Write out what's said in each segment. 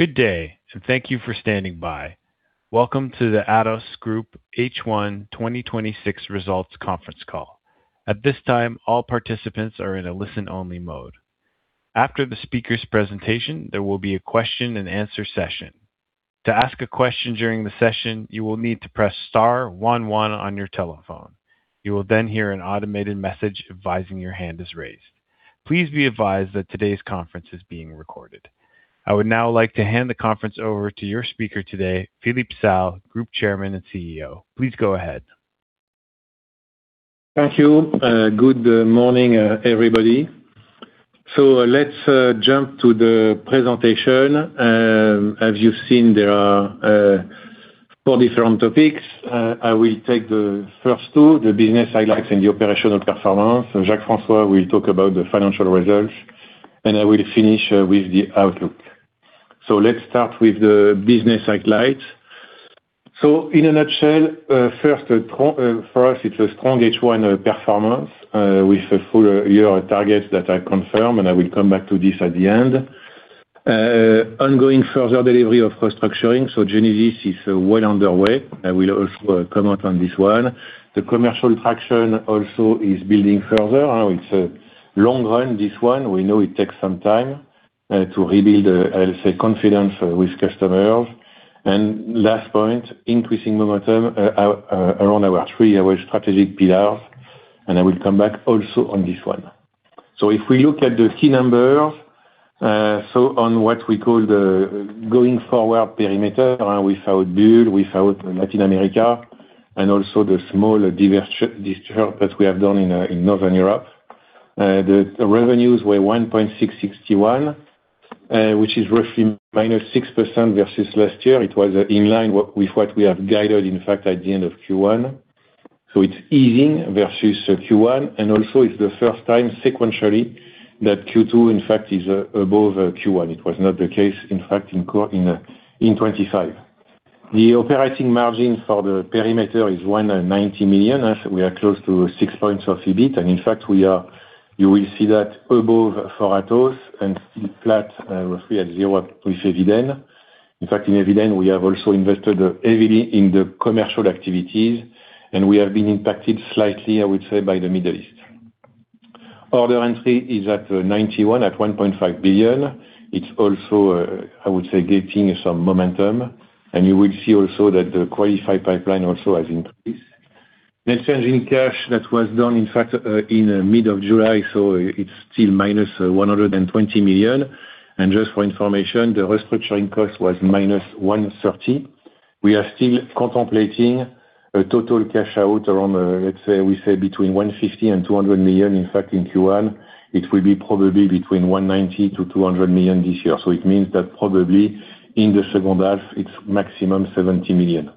Good day. Thank you for standing by. Welcome to the Atos Group H1 2026 Results Conference Call. At this time, all participants are in a listen-only mode. After the speaker's presentation, there will be a question-and-answer session. To ask a question during the session, you will need to press star one one on your telephone. You will hear an automated message advising your hand is raised. Please be advised that today's conference is being recorded. I would now like to hand the conference over to your speaker today, Philippe Salle, Group Chairman and CEO. Please go ahead. Thank you. Good morning, everybody. Let's jump to the presentation. As you've seen, there are four different topics. I will take the first two, the business highlights and the operational performance. Jacques-François will talk about the financial results. I will finish with the outlook. Let's start with the business highlights. In a nutshell, first, for us, it's a strong H1 performance with full-year targets that I confirm. I will come back to this at the end. Ongoing further delivery of cost structuring. Genesis is well underway. I will also comment on this one. The commercial traction also is building further. It's a long run, this one. We know it takes some time to rebuild, I'll say, confidence with customers. Last point, increasing momentum around our three-year strategic pillars. I will come back also on this one. If we look at the key numbers, on what we call the going forward perimeter without Bull, without Latin America, also the small divestiture that we have done in Northern Europe. The revenues were 1.661 billion, which is roughly -6% versus last year. It was in line with what we have guided, in fact, at the end of Q1. It's easing versus Q1. Also, it's the first time sequentially that Q2, in fact, is above Q1. It was not the case, in fact, in 2025. The operating margin for the perimeter is 190 million, as we are close to 6 points of EBIT. In fact, you will see that above for Atos, flat, roughly at zero, with Eviden. In fact, in Eviden, we have also invested heavily in the commercial activities. We have been impacted slightly, I would say, by the Middle East. Order entry is at 91%, at 1.5 billion. It's also, I would say, gaining some momentum. You will see also that the qualified pipeline also has increased. Net changing cash that was done, in fact, in the middle of July, it's still -120 million. Just for your information, the restructuring cost was -130 million. We are still contemplating a total cash out around, we say between 150 million-200 million. In fact, in Q1 it will be probably between 190 million-200 million this year. It means that probably in the second half it's maximum 70 million.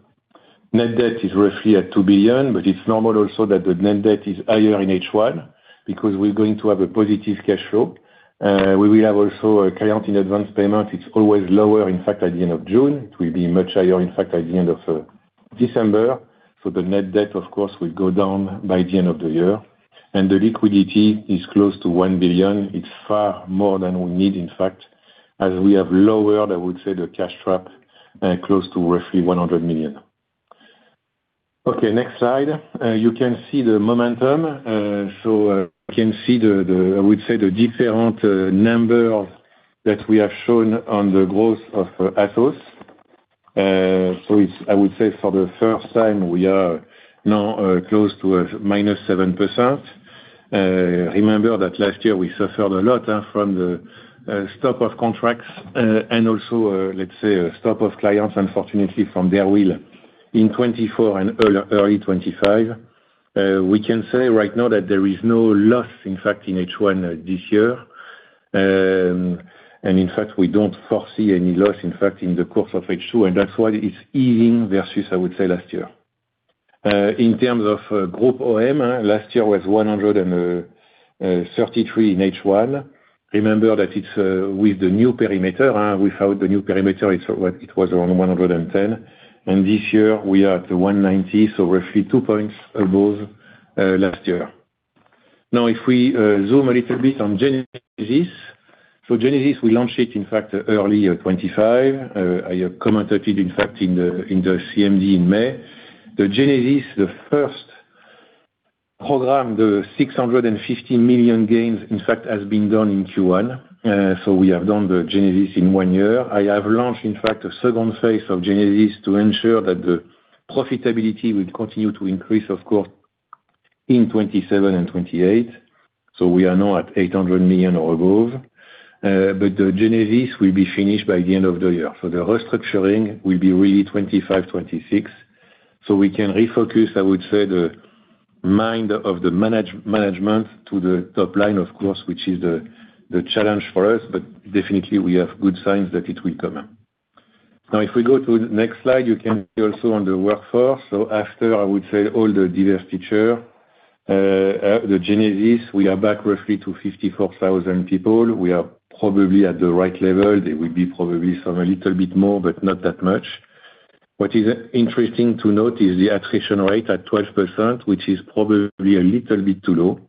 Net debt is roughly at 2 billion. It's normal also that the net debt is higher in H1 because we're going to have a positive cash flow. We will have also a client in advance payment. It's always lower, in fact, at the end of June. It will be much higher, in fact, at the end of December. The net debt, of course, will go down by the end of the year. The liquidity is close to 1 billion. It's far more than we need, in fact, as we have lowered, I would say, the cash trap, close to roughly 100 million. Next slide. You can see the momentum. You can see, I would say, the different number that we have shown on the growth of Atos. I would say for the first time, we are now close to a -7%. Remember that last year we suffered a lot from the stop of contracts and also, let's say, a stop of clients, unfortunately, from their will in 2024 and early 2025. We can say right now that there is no loss, in fact, in H1 this year. In fact, we don't foresee any loss, in fact, in the course of H2, and that's why it's easing versus, I would say, last year. In terms of Group OM, last year was 133 in H1. Remember that it's with the new perimeter. Without the new perimeter, it was around 110. This year we are at the 190, so roughly 2 points above last year. If we zoom a little bit on Genesis. Genesis, we launched it, in fact, early 2025. I commented it, in fact, in the CMD in May. The Genesis, the first program, the 650 million gains, in fact, has been done in Q1. We have done the Genesis in one year. I have launched, in fact, a second phase of Genesis to ensure that the profitability will continue to increase, of course, in 2027 and 2028. We are now at 800 million or above. The Genesis will be finished by the end of the year. The restructuring will be really 2025, 2026. We can refocus, I would say, the mind of the management to the top line, of course, which is the challenge for us. Definitely, we have good signs that it will come. If we go to the next slide, you can see also on the workforce. After, I would say all the divestiture, the Genesis, we are back roughly to 54,000 people. We are probably at the right level. There will be probably some a little bit more, but not that much. What is interesting to note is the attrition rate at 12%, which is probably a little bit too low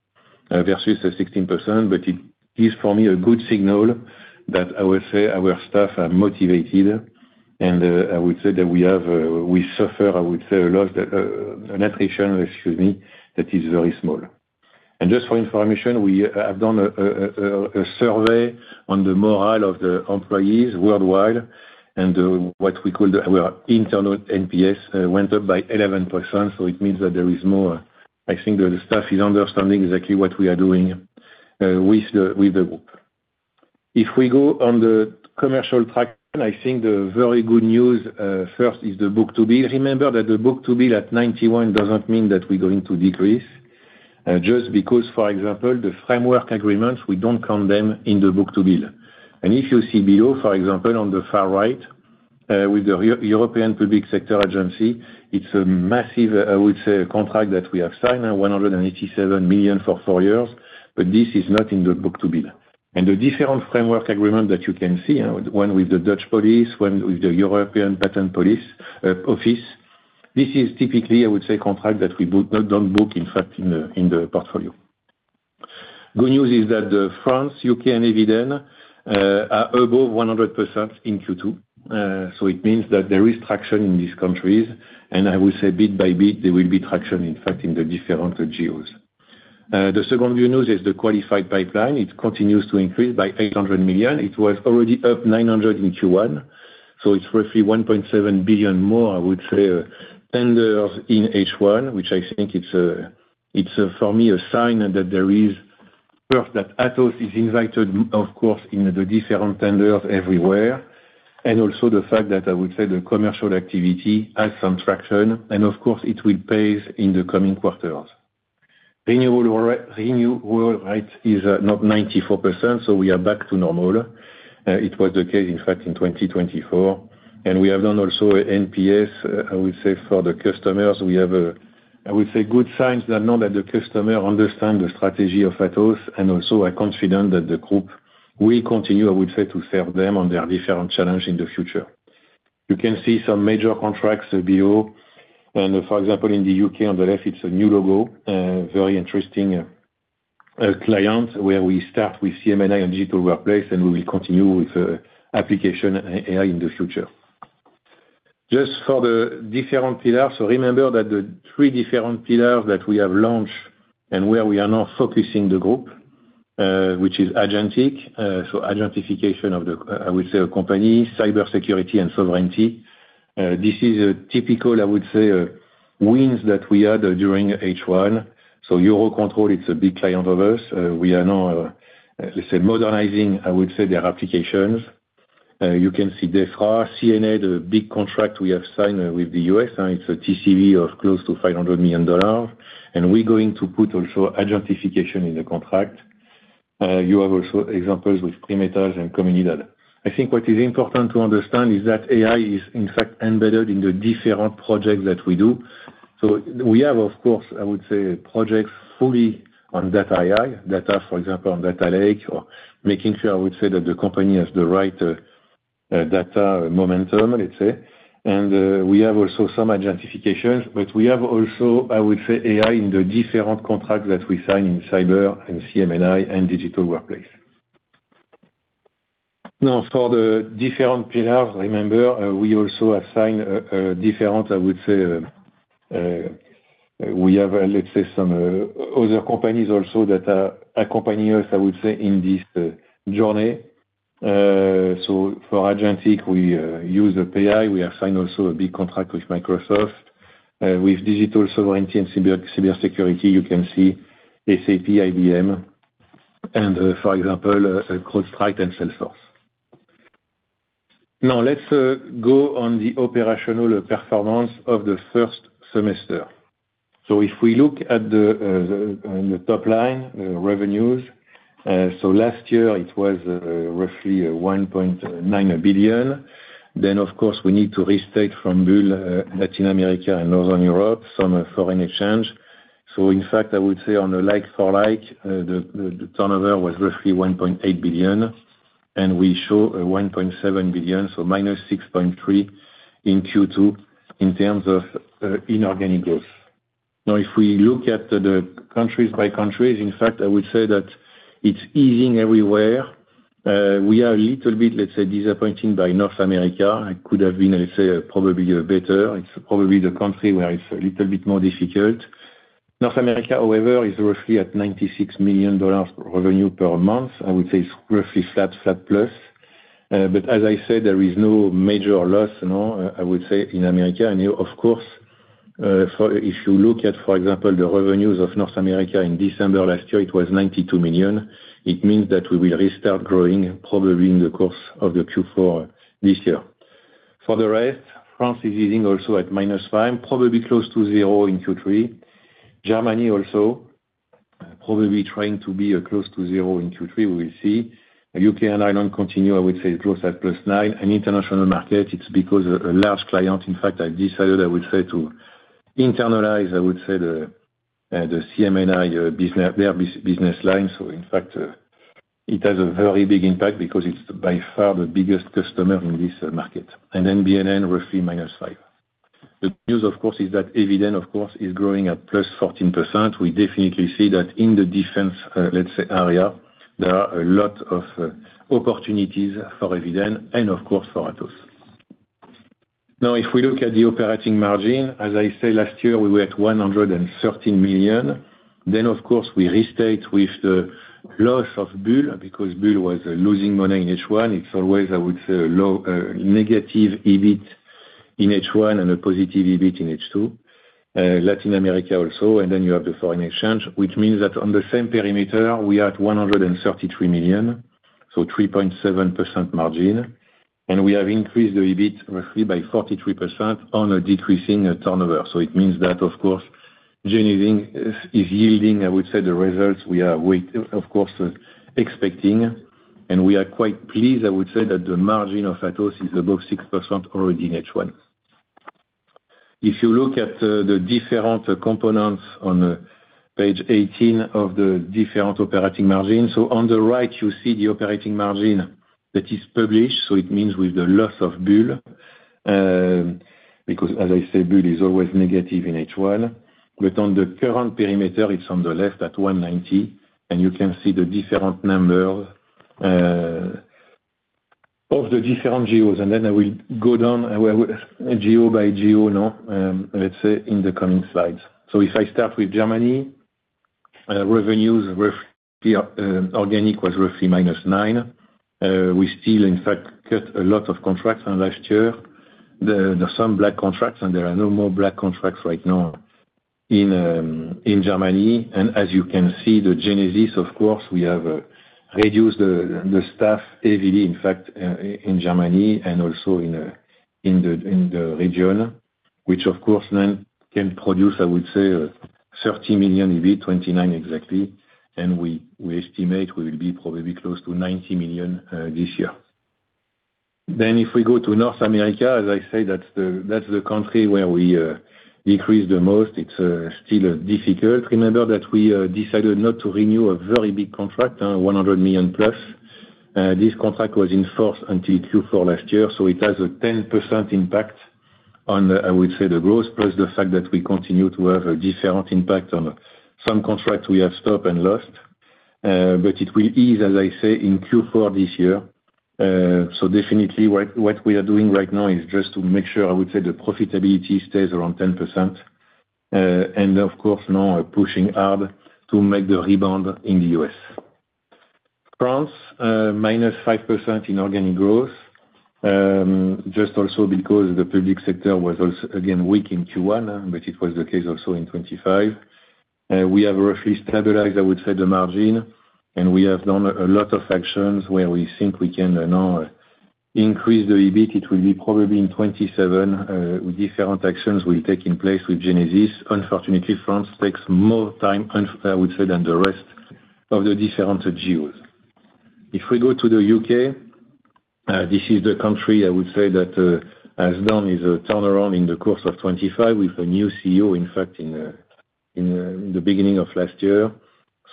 versus the 16%. It is for me a good signal that I would say our staff are motivated, and I would say that we suffer, I would say, a loss, an attrition, excuse me, that is very small. Just for information, we have done a survey on the morale of the employees worldwide, and what we call our internal NPS went up by 11%. It means that there is more. I think the staff is understanding exactly what we are doing with the group. If we go on the commercial track, I think the very good news first is the book-to-bill. Remember that the book-to-bill at 91 does not mean that we're going to decrease. Just because, for example, the framework agreements, we don't count them in the book-to-bill. If you see below, for example, on the far right, with the European Public Sector Agency, it is a massive, I would say, contract that we have signed, 187 million for four years. This is not in the book-to-bill. The different framework agreement that you can see, one with the Dutch police, one with the European Patent Office. This is typically, I would say, contract that we do not book, in fact, in the portfolio. Good news is that France, U.K., and Eviden are above 100% in Q2. It means that there is traction in these countries. I would say bit by bit, there will be traction, in fact, in the different geos. The second view news is the qualified pipeline. It continues to increase by 800 million. It was already up 900 million in Q1, it is roughly 1.7 billion more, I would say, tenders in H1, which I think it is, for me, a sign that Atos is invited, of course, in the different tenders everywhere. Also the fact that, I would say, the commercial activity has some traction, and of course it will pay in the coming quarters. Renewal rate is 94%, we are back to normal. It was the case, in fact, in 2024. We have done also a NPS, I would say, for the customers. We have, I would say, good signs that now that the customer understand the strategy of Atos and also are confident that the group will continue, I would say, to serve them on their different challenge in the future. You can see some major contracts below. For example, in the U.K. on the left, it is a new logo, very interesting client, where we start with CM&I and Digital Workplace, and we will continue with application AI in the future. Just for the different pillars, remember that the three different pillars that we have launched and where we are now focusing the group, which is agentic. Agentification of the, I would say, company, cybersecurity, and sovereignty. This is a typical, I would say, wins that we had during H1. Eurocontrol, it is a big client of ours. We are now, let us say, modernizing, I would say, their applications. You can see DEFRA, CNA, the big contract we have signed with the U.S., and it is a TCV of close to $500 million. We are going to put also agentification in the contract. You have also examples with Primetals and Comunidade. What is important to understand is that AI is in fact embedded in the different projects that we do. We have, of course, I would say, projects fully on that AI, data for example, on data lake or making sure, I would say, that the company has the right data momentum, let us say. We have also some agentification. We have also, I would say, AI in the different contracts that we sign in cyber and CM&I and Digital Workplace. Now for the different pillars, remember, we also have signed different. We have some other companies also that are accompanying us in this journey. For agentic, we use API. We have signed also a big contract with Microsoft. With digital sovereignty and cybersecurity, you can see SAP, IBM, and for example, CrowdStrike and Salesforce. Let's go on the operational performance of the first semester. If we look on the top line revenues. Last year it was roughly 1.9 billion. Then, of course, we need to restate from Latin America and Northern Europe some foreign exchange. In fact, I would say on the like-for-like, the turnover was roughly 1.8 billion, and we show 1.7 billion, so -6.3% in Q2 in terms of inorganic growth. If we look at the countries by countries, in fact, I would say that it's easing everywhere. We are a little bit, let's say, disappointing by North America. It could have been, let's say, probably better. It's probably the country where it's a little bit more difficult. North America, however, is roughly at $96 million revenue per month. I would say it's roughly flat plus. As I said, there is no major loss now, I would say, in America. Of course, if you look at, for example, the revenues of North America in December last year, it was $92 million. It means that we will restart growing probably in the course of the Q4 this year. For the rest, France is easing also at -5%, probably close to zero in Q3. Germany also probably trying to be close to zero in Q3. We will see. U.K. and Ireland continue, I would say close at +9%. International market, it's because a large client, in fact, I decided, I would say, to internalize, I would say the CM&I business line. It has a very big impact because it's by far the biggest customer in this market. Then BNN, roughly -5%. The good news, of course, is that Eviden is growing at +14%. We definitely see that in the defense area, there are a lot of opportunities for Eviden and, of course, for Atos. If we look at the operating margin, as I said, last year, we were at 113 million. Then, of course, we restate with the loss of Bull, because Bull was losing money in H1. It's always, I would say, a negative EBIT in H1 and a positive EBIT in H2. Latin America also, and then you have the foreign exchange, which means that on the same perimeter, we are at 133 million, so 3.7% margin, and we have increased the EBIT roughly by 43% on a decreasing turnover. It means that, of course, Genesis is yielding, I would say, the results we are, of course, expecting. We are quite pleased, I would say, that the margin of Atos is above 6% already in H1. If you look at the different components on page 18 of the different operating margins. On the right, you see the operating margin that is published, it means with the loss of Bull, because as I said, Bull is always negative in H1. On the current perimeter, it's on the left at 190 million, and you can see the different numbers of the different geos. Then I will go geo by geo now, let's say, in the coming slides. If I start with Germany, revenues organic was roughly -9%. We still, in fact, cut a lot of contracts last year. There some black contracts, and there are no more black contracts right now in Germany. As you can see, the Genesis, of course, we have reduced the staff heavily, in fact, in Germany and also in the region, which of course, now can produce, I would say, 30 million, maybe 29 million exactly. We estimate we will be probably close to 90 million this year. If we go to North America, as I say, that's the country where we decreased the most. It's still difficult. Remember that we decided not to renew a very big contract, 100 million+. This contract was in force until Q4 last year, so it has a 10% impact on, I would say, the growth, plus the fact that we continue to have a different impact on some contracts we have stopped and lost. It will ease, as I say, in Q4 this year. Definitely what we are doing right now is just to make sure, I would say, the profitability stays around 10%. Of course, now pushing hard to make the rebound in the U.S. France, -5% in organic growth. Just also because the public sector was also, again, weak in Q1, but it was the case also in 2025. We have roughly stabilized, I would say, the margin, and we have done a lot of actions where we think we can now increase the EBIT. It will be probably in 2027. Different actions will take in place with Genesis. Unfortunately, France takes more time, I would say, than the rest of the different geos. If we go to the U.K., this is the country, I would say that has done its turnaround in the course of 2025 with a new CEO, in fact, in the beginning of last year.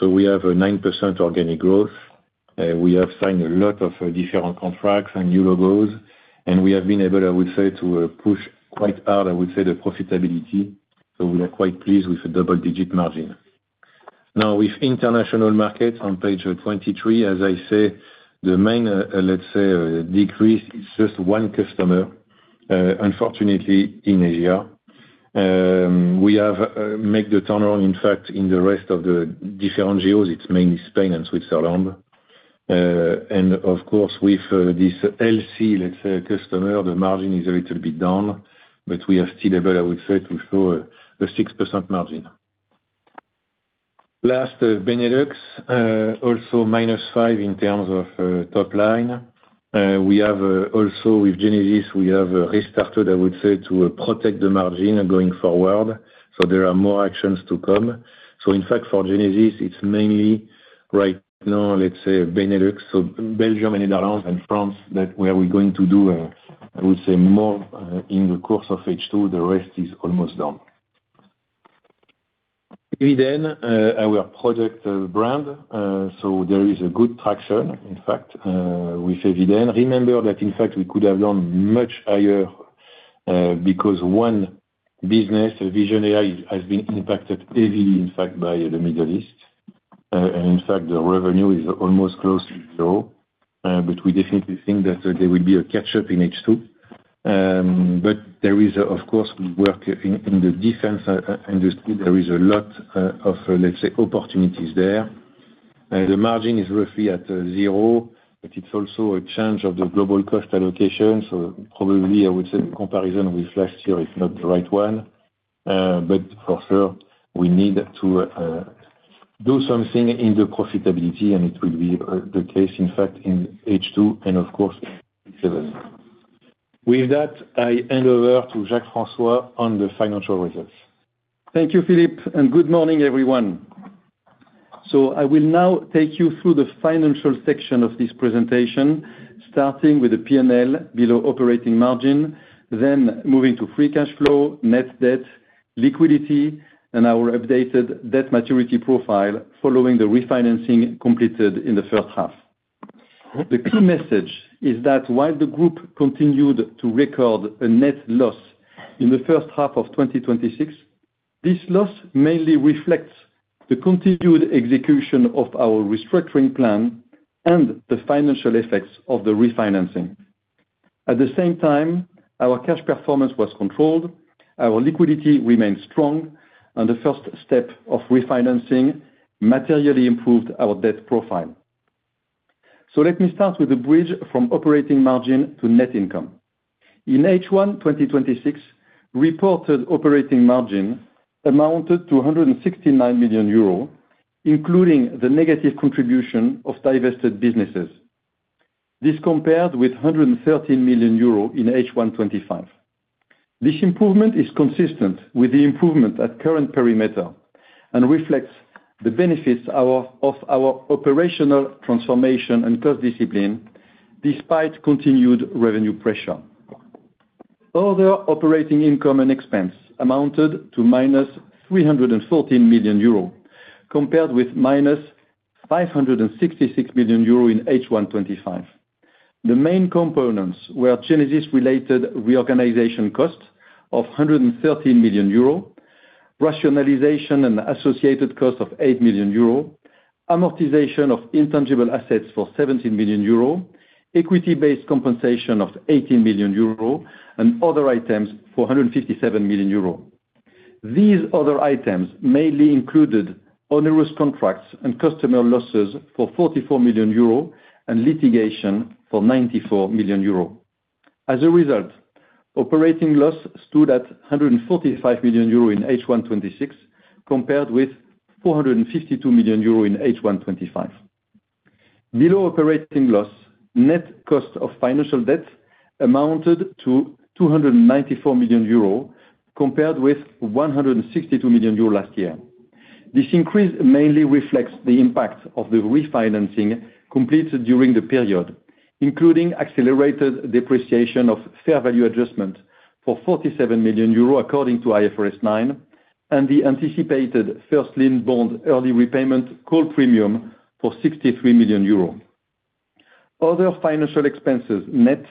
We have a 9% organic growth. We have signed a lot of different contracts and new logos, and we have been able, I would say, to push quite hard, I would say, the profitability. We are quite pleased with the double-digit margin. Now with international markets on page 23, as I say, the main decrease is just one customer, unfortunately, in Asia. We have made the turnaround, in fact, in the rest of the different geos. It's mainly Spain and Switzerland. Of course, with this healthy customer, the margin is a little bit down, but we are still able, I would say, to show a 6% margin. Last, the BNN, also -5% in terms of top line. Also with Genesis, we have restarted to protect the margin going forward. There are more actions to come. In fact, for Genesis, it's mainly right now, let's say BNN, so Belgium and Netherlands and France where we're going to do, I would say more in the course of H2, the rest is almost done. Eviden, our product brand. There is a good traction, in fact, with Eviden. Remember that in fact, we could have done much higher, because one business, Vision AI, has been impacted heavily, in fact, by the Middle East. In fact, the revenue is almost close to zero. We definitely think that there will be a catch-up in H2. There is, of course, work in the defense industry. There is a lot of, let's say, opportunities there. The margin is roughly at zero, but it's also a change of the global cost allocation. Probably, I would say the comparison with last year is not the right one. For sure, we need to do something in the profitability, and it will be the case, in fact, in H2 and of course H1 2027. With that, I hand over to Jacques-François on the financial results. Thank you, Philippe. Good morning, everyone. I will now take you through the financial section of this presentation, starting with the P&L below operating margin, then moving to free cash flow, net debt, liquidity and our updated debt maturity profile following the refinancing completed in the first half. The key message is that while the group continued to record a net loss in the first half of 2026, this loss mainly reflects the continued execution of our restructuring plan and the financial effects of the refinancing. At the same time, our cash performance was controlled, our liquidity remained strong, and the first step of refinancing materially improved our debt profile. Let me start with the bridge from operating margin to net income. In H1 2026, reported operating margin amounted to 169 million euros, including the negative contribution of divested businesses. This compared with 113 million euro in H1 2025. This improvement is consistent with the improvement at current perimeter and reflects the benefits of our operational transformation and cost discipline, despite continued revenue pressure. Other operating income and expense amounted to -314 million euro, compared with -566 million euro in H1 2025. The main components were Genesis-related reorganization costs of 113 million euro, rationalization and associated cost of 8 million euro, amortization of intangible assets for 17 million euro, equity-based compensation of 80 million euro and other items for 157 million euro. These other items mainly included onerous contracts and customer losses for 44 million euro and litigation for 94 million euro. As a result, operating loss stood at 145 million euro in H1 2026 compared with 452 million euro in H1 2025. Below operating loss, net cost of financial debt amounted to 294 million euros compared with 162 million euros last year. This increase mainly reflects the impact of the refinancing completed during the period, including accelerated depreciation of fair value adjustment for 47 million euros according to IFRS 9, and the anticipated first lien bond early repayment call premium for 63 million euro. Other financial expenses net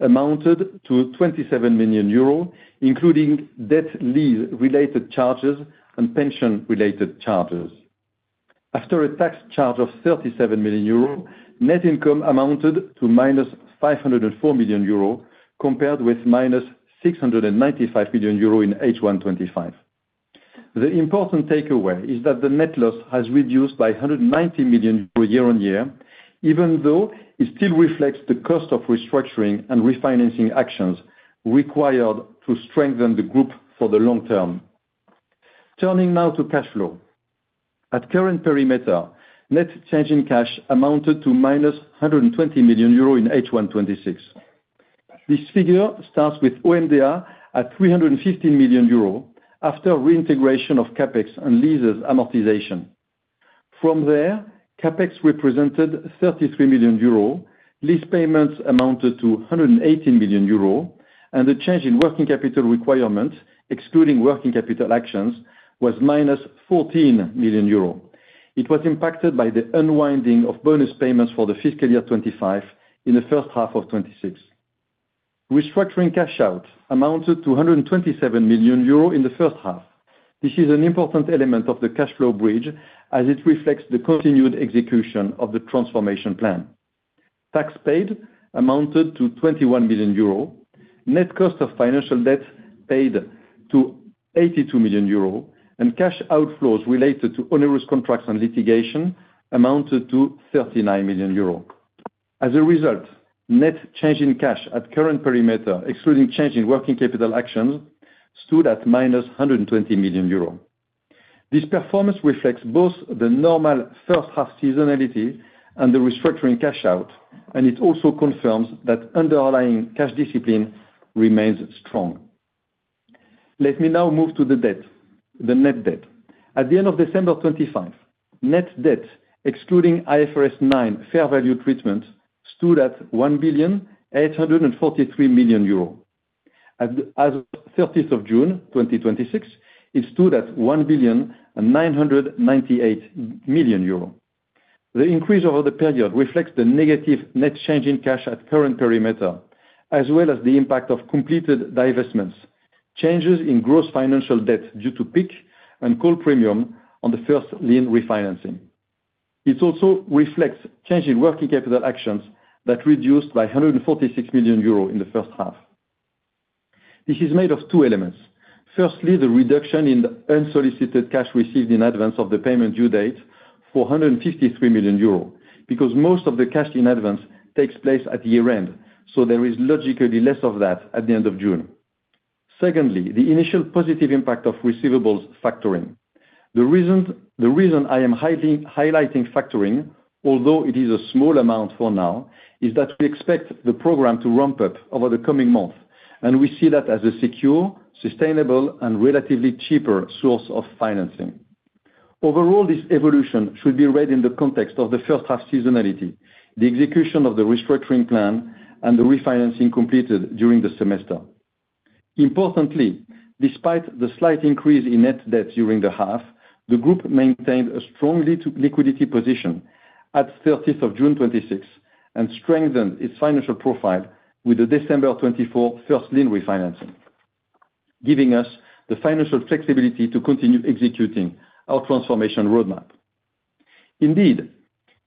amounted to 27 million euro, including debt and lease related charges and pension-related charges. After a tax charge of 37 million euros, net income amounted to -504 million euros, compared with -695 million euros in H1 2025. The important takeaway is that the net loss has reduced by 190 million euros year-on-year, even though it still reflects the cost of restructuring and refinancing actions required to strengthen the group for the long term. Turning now to cash flow. At current perimeter, net change in cash amounted to -120 million euro in H1 2026. This figure starts with OMDA at 315 million euro after reintegration of CapEx and leases amortization. From there, CapEx represented 33 million euro. Lease payments amounted to 118 million euro, and the change in working capital requirement, excluding working capital actions, was -14 million euros. It was impacted by the unwinding of bonus payments for the fiscal year 2025 in the first half of 2026. Restructuring cash out amounted to 127 million euros in the first half. This is an important element of the cash flow bridge as it reflects the continued execution of the transformation plan. Tax paid amounted to 21 million euro. Net cost of financial debt paid to 82 million euro and cash outflows related to onerous contracts and litigation amounted to 39 million euros. As a result, net change in cash at current perimeter, excluding change in working capital actions, stood at -120 million euro. This performance reflects both the normal first half seasonality and the restructuring cash out, and it also confirms that underlying cash discipline remains strong. Let me now move to the debt, the net debt. At the end of December 2025, net debt excluding IFRS 9 fair value treatment stood at 1.843 billion. As of 30th of June 2026, it stood at 1.998 billion. The increase over the period reflects the negative net change in cash at current perimeter, as well as the impact of completed divestments, changes in gross financial debt due to PIK and call premium on the first lien refinancing. It also reflects change in working capital actions that reduced by 146 million euros in the first half. This is made of two elements. Firstly, the reduction in the unsolicited cash received in advance of the payment due date for 153 million euros. Because most of the cash in advance takes place at year-end, so there is logically less of that at the end of June. Secondly, the initial positive impact of receivables factoring. The reason I am highlighting factoring, although it is a small amount for now, is that we expect the program to ramp up over the coming month, and we see that as a secure, sustainable and relatively cheaper source of financing. Overall, this evolution should be read in the context of the first half seasonality, the execution of the restructuring plan, and the refinancing completed during the semester. Importantly, despite the slight increase in net debt during the half, the group maintained a strong liquidity position at 30th of June 2026, and strengthened its financial profile with the December 2024 first lien refinancing, giving us the financial flexibility to continue executing our transformation roadmap. Indeed,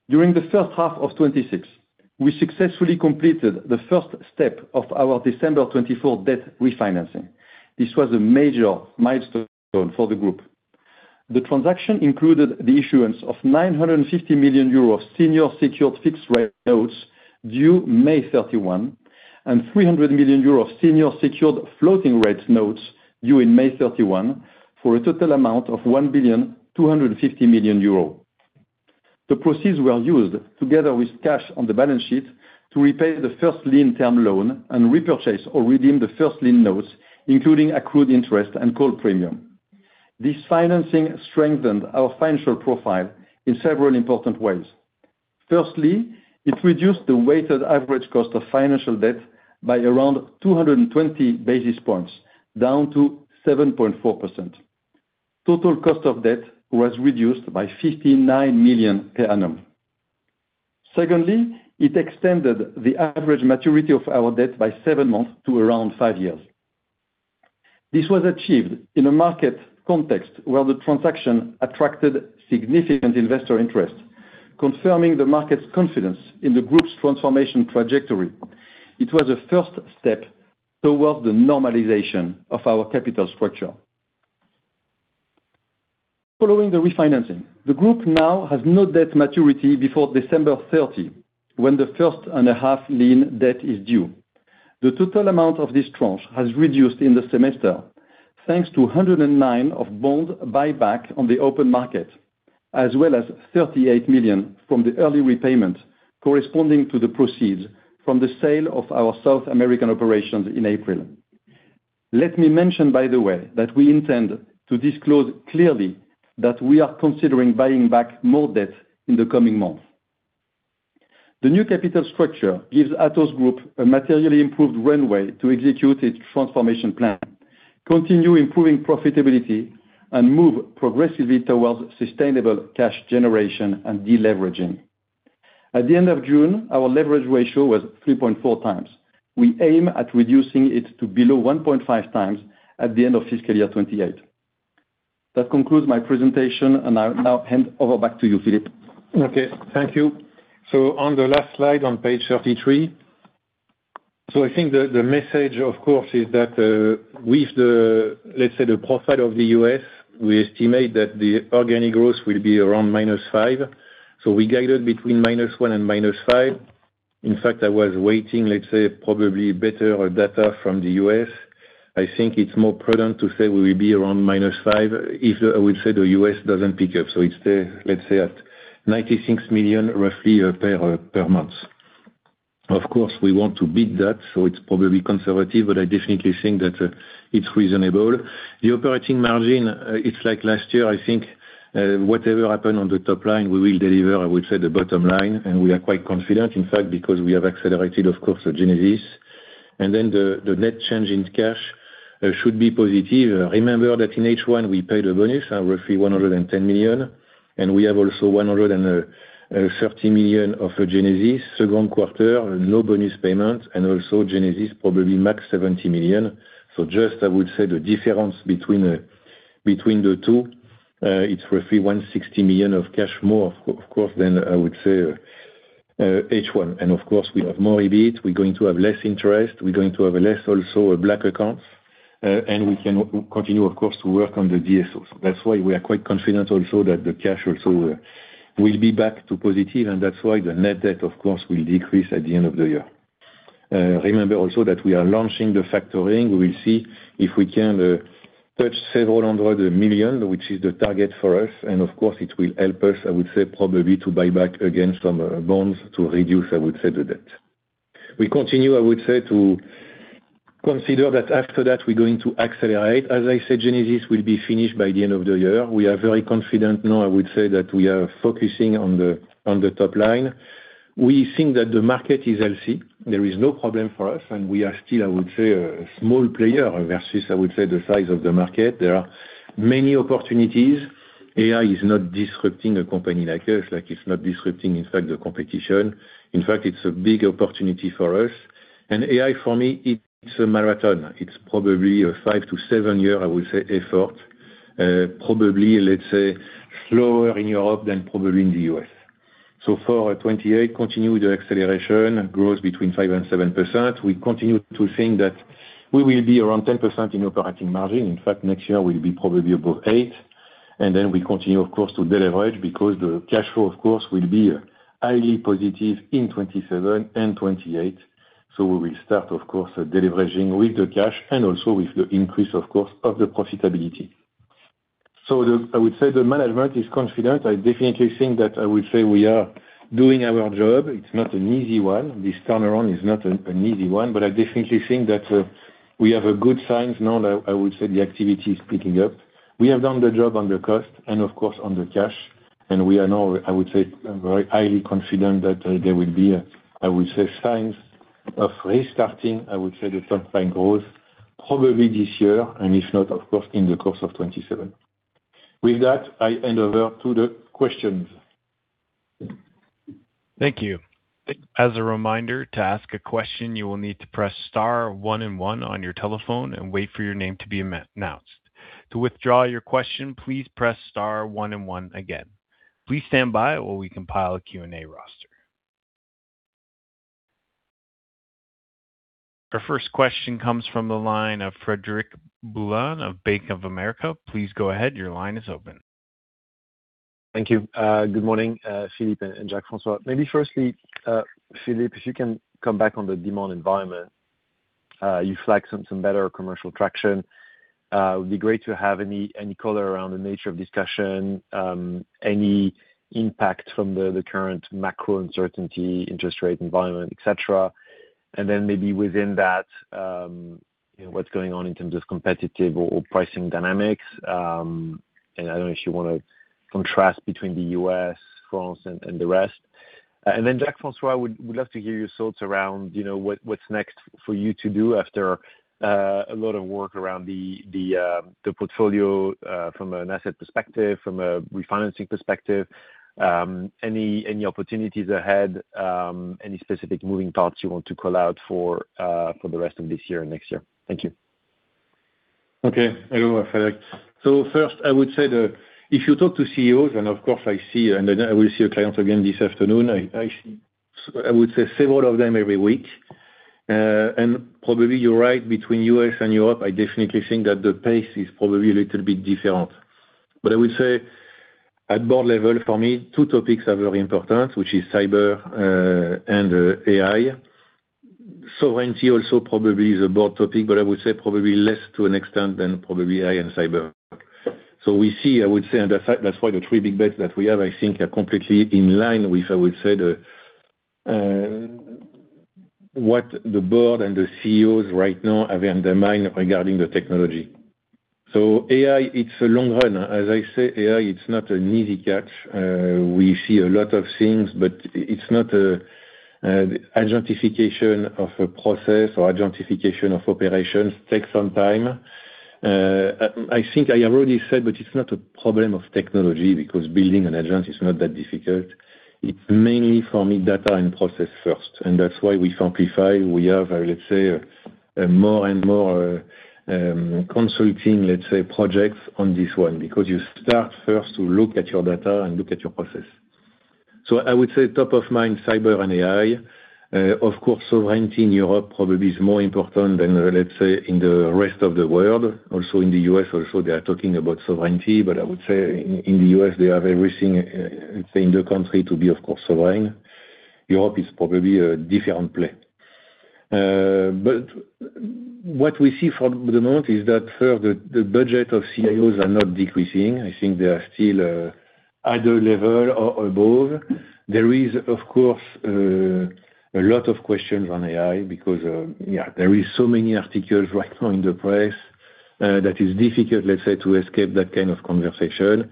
during the first half of 2026, we successfully completed the first step of our December 2024 debt refinancing. This was a major milestone for the group. The transaction included the issuance of 950 million euro senior secured fixed rate notes due May 31, and 300 million euro senior secured floating rates notes due in May 31, for a total amount of 1.250 billion euros. The proceeds were used together with cash on the balance sheet to repay the first lien term loan and repurchase or redeem the first lien notes, including accrued interest and call premium. This financing strengthened our financial profile in several important ways. Firstly, it reduced the weighted average cost of financial debt by around 220 basis points, down to 7.4%. Total cost of debt was reduced by 59 million per annum. Secondly, it extended the average maturity of our debt by seven months to around five years. This was achieved in a market context where the transaction attracted significant investor interest, confirming the market's confidence in the Group's transformation trajectory. It was a first step towards the normalization of our capital structure. Following the refinancing, the Group now has no debt maturity before December 30, when the first and a half lien debt is due. The total amount of this tranche has reduced in the semester, thanks to 109 of bond buyback on the open market, as well as 38 million from the early repayment corresponding to the proceeds from the sale of our South American operations in April. Let me mention, by the way, that we intend to disclose clearly that we are considering buying back more debt in the coming months. The new capital structure gives Atos Group a materially improved runway to execute its transformation plan, continue improving profitability, and move progressively towards sustainable cash generation and deleveraging. At the end of June, our leverage ratio was 3.4x. We aim at reducing it to below 1.5x at the end of fiscal year 2028. That concludes my presentation. I'll now hand over back to you, Philippe. Okay. On the last slide on page 33. I think the message, of course, is that, with the, let's say, the profile of the U.S., we estimate that the organic growth will be around -5. We guided between -1 and -5. In fact, I was waiting, let's say, probably better or data from the U.S. I think it's more prudent to say we will be around -5 if, I would say, the U.S. doesn't pick up. It's the, let's say, at 96 million, roughly per month. Of course, we want to beat that, so it's probably conservative, but I definitely think that it's reasonable. The operating margin, it's like last year. I think, whatever happen on the top line, we will deliver, I would say the bottom line, and we are quite confident, in fact, because we have accelerated, of course, the Genesis. The net change in cash should be positive. Remember that in H1, we paid a bonus of roughly 110 million, and we have also 130 million of Genesis. Second quarter, no bonus payments, and also Genesis probably max 70 million. Just, I would say the difference between the two, it's roughly 160 million of cash more, of course, than I would say, H1. Of course, we have more EBIT. We're going to have less interest. We're going to have less also black accounts. We can continue, of course, to work on the DSOs. That's why we are quite confident also that the cash also will be back to positive. That's why the net debt, of course, will decrease at the end of the year. Remember also that we are launching the factoring. We will see if we can touch several hundred million, which is the target for us. Of course, it will help us, I would say, probably to buy back again some bonds to reduce, I would say, the debt. We continue, I would say, to consider that after that, we're going to accelerate. As I said, Genesis will be finished by the end of the year. We are very confident now, I would say that we are focusing on the top line. We think that the market is healthy. There is no problem for us. We are still, I would say, a small player versus, I would say the size of the market. There are many opportunities. AI is not disrupting a company like us, like it's not disrupting, in fact, the competition. In fact, it's a big opportunity for us. AI for me, it's a marathon. It's probably a five to seven year, I would say, effort. Probably, let's say, slower in Europe than probably in the U.S. For 2028, continue the acceleration, grows between 5% and 7%. We continue to think that we will be around 10% in operating margin. In fact, next year we'll be probably above 8%. Then we continue, of course, to deleverage because the cash flow, of course, will be highly positive in 2027 and 2028. We will start, of course, deleveraging with the cash and also with the increase, of course, of the profitability. I would say the management is confident. I definitely think that, I would say we are doing our job. It's not an easy one. This turnaround is not an easy one. I definitely think that we have good signs now that, I would say, the activity is picking up. We have done the job on the cost and of course, on the cash. We are now, I would say very highly confident that there will be, I would say signs of restarting, I would say the top-line growth probably this year. If not, of course, in the course of 2027. With that, I hand over to the questions. Thank you. As a reminder, to ask a question, you will need to press star one and one on your telephone and wait for your name to be announced. To withdraw your question, please press star one and one again. Please stand by while we compile a Q&A roster. Our first question comes from the line of Frédéric Boulan of Bank of America. Please go ahead. Your line is open. Thank you. Good morning, Philippe and Jacques-François. Firstly, Philippe, if you can come back on the demand environment. You flagged some better commercial traction. It would be great to have any color around the nature of discussion, any impact from the current macro uncertainty, interest rate environment, et cetera. Then maybe within that, what is going on in terms of competitive or pricing dynamics. I do not know if you want to contrast between the U.S., France, and the rest. Then Jacques-François, would love to hear your thoughts around what next for you to do after a lot of work around the portfolio from an asset perspective, from a refinancing perspective. Any opportunities ahead? Any specific moving parts you want to call out for the rest of this year and next year? Thank you. Okay. Hello, Frédéric. First, I would say if you talk to CEOs, of course, I see then I will see a client again this afternoon. I would say several of them every week. Probably you are right, between U.S. and Europe, I definitely think that the pace is probably a little bit different. I would say at board level, for me, two topics are very important, which is cyber and AI. Sovereignty also probably is a board topic, I would say probably less to an extent than probably AI and cyber. We see, I would say, that is why the three big bets that we have, I think are completely in line with, I would say, what the board and the CEOs right now have in their mind regarding the technology. AI, it is a long run. As I say, AI, it is not an easy catch. We see a lot of things, it is not agentification of a process or agentification of operations. Takes some time. I think I already said, it is not a problem of technology, because building an agent is not that difficult. It is mainly, for me, data and process first, that is why we simplify. We have, let's say, more and more consulting projects on this one, because you start first to look at your data and look at your process. I would say top of mind, cyber and AI. Of course, sovereignty in Europe probably is more important than, let's say, in the rest of the world. Also in the U.S. also they are talking about sovereignty, I would say in the U.S., they have everything in the country to be, of course, sovereign. Europe is probably a different play. What we see for the moment is that the budget of CIOs are not decreasing. I think they are still at the level or above. There is, of course, a lot of questions on AI because there is so many articles right now in the press that is difficult, let's say, to escape that kind of conversation.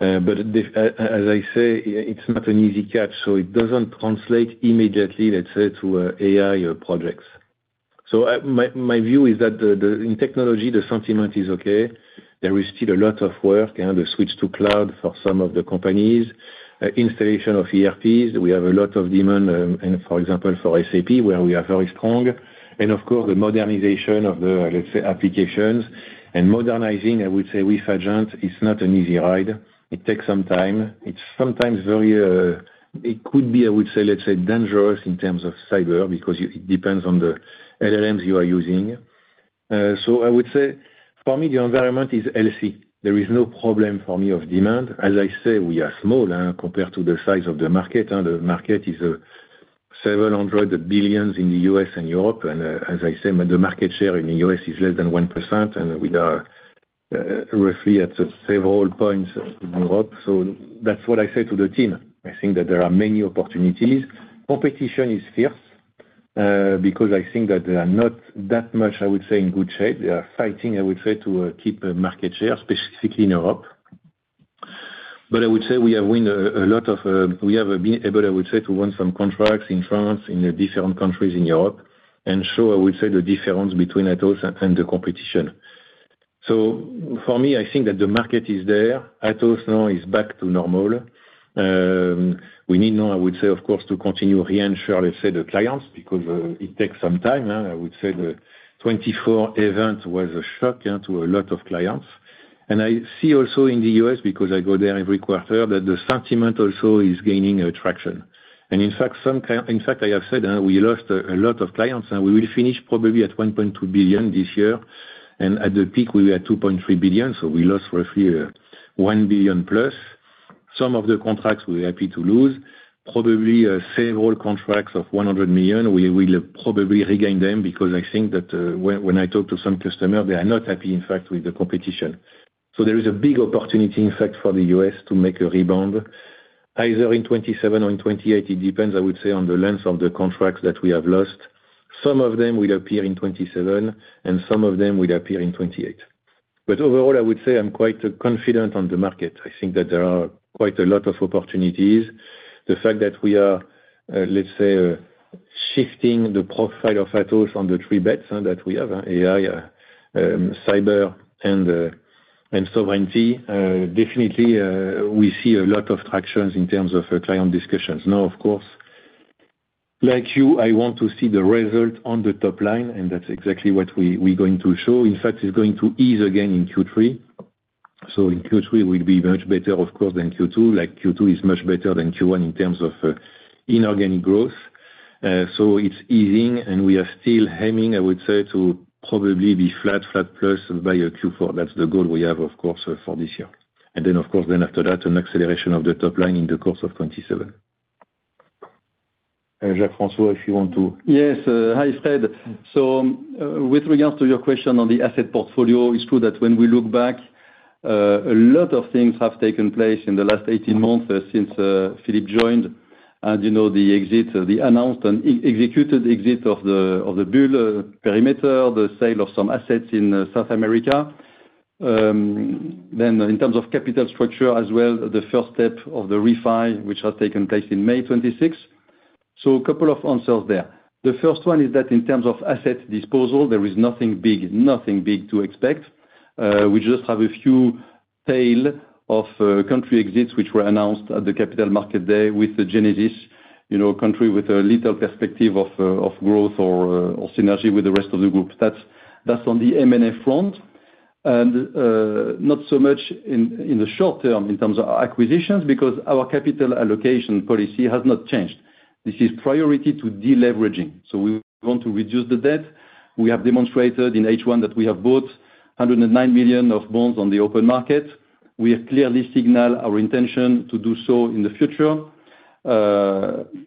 As I say, it is not an easy catch, it does not translate immediately, let's say, to AI projects. My view is that in technology, the sentiment is okay. There is still a lot of work and the switch to cloud for some of the companies. Installation of ERPs, we have a lot of demand, for example, for SAP, where we are very strong. Of course, the modernization of the, let's say, applications. Modernizing, I would say with agent is not an easy ride. It takes some time. It could be, let's say, dangerous in terms of cyber, because it depends on the LLMs you are using. I would say for me, the environment is healthy. There is no problem for me of demand. As I say, we are small compared to the size of the market, and the market is 700 billion in the U.S. and Europe. As I say, the market share in the U.S. is less than 1%, and we are roughly at several points in Europe. That's what I say to the team. I think that there are many opportunities. Competition is fierce, because I think that they are not that much in good shape. They are fighting to keep market share, specifically in Europe. I would say we have been able to win some contracts in France, in different countries in Europe. I would say the difference between Atos and the competition. For me, I think that the market is there. Atos now is back to normal. We need now, I would say, of course, to continue reassure the clients because it takes some time. I would say the 2024 event was a shock to a lot of clients. I see also in the U.S., because I go there every quarter, that the sentiment also is gaining traction. In fact, I have said we lost a lot of clients, and we will finish probably at 1.2 billion this year, and at the peak we were at 2.3 billion, so we lost roughly 1 billion+. Some of the contracts we're happy to lose. Probably several contracts of 100 million, we will probably regain them because I think that when I talk to some customers, they are not happy, in fact, with the competition. There is a big opportunity, in fact, for the U.S. to make a rebound either in 2027 or in 2028. It depends, I would say, on the length of the contracts that we have lost. Some of them will appear in 2027, and some of them will appear in 2028. Overall, I would say I'm quite confident on the market. I think that there are quite a lot of opportunities. The fact that we are, let's say, shifting the profile of Atos on the three bets that we have, AI, cyber, and sovereignty. Definitely, we see a lot of traction in terms of client discussions. Now, of course, like you, I want to see the result on the top line, that's exactly what we're going to show. In fact, it's going to ease again in Q3. In Q3, we'll be much better, of course, than Q2. Q2 is much better than Q1 in terms of inorganic growth. It's easing, and we are still aiming, I would say, to probably be flat plus by Q4. That's the goal we have, of course, for this year. Then, of course, then after that, an acceleration of the top line in the course of 2027. Jacques-François, if you want to. Yes. Hi, Frédéric. With regards to your question on the asset portfolio, it's true that when we look back, a lot of things have taken place in the last 18 months since Philippe joined. The announced and executed exit of the Bull perimeter, the sale of some assets in South America. In terms of capital structure as well, the first step of the refi, which has taken place in May 2026. A couple of answers there. The first one is that in terms of asset disposal, there is nothing big to expect. We just have a few tail of country exits, which were announced at the Capital Market Day with the Genesis. A country with a little perspective of growth or synergy with the rest of the group. That's on the M&A front. Not so much in the short term in terms of our acquisitions, because our capital allocation policy has not changed. This is priority to deleveraging. We want to reduce the debt. We have demonstrated in H1 that we have bought 109 million of bonds on the open market. We have clearly signaled our intention to do so in the future.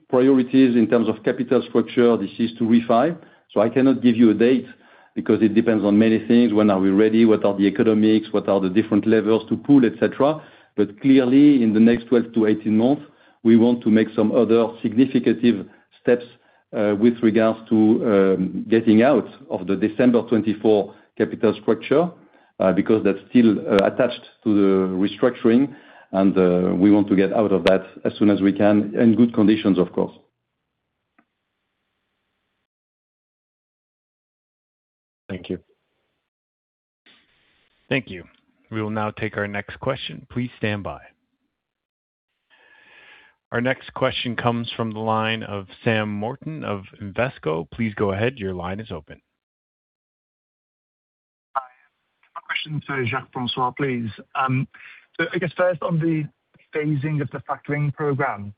Priorities in terms of capital structure, this is to refi. I cannot give you a date, because it depends on many things. When are we ready? What are the economics? What are the different levels to pull, et cetera? Clearly, in the next 12 -18 months, we want to make some other significant steps, with regards to getting out of the December 2024 capital structure. That's still attached to the restructuring, and we want to get out of that as soon as we can, in good conditions, of course. Thank you. Thank you. We will now take our next question. Please stand by. Our next question comes from the line of Sam Morton of Invesco. Please go ahead. Your line is open. Hi. A question to Jacques-François, please. I guess first on the phasing of the factoring program,